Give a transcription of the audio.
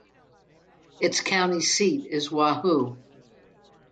Its county seat is Wahoo.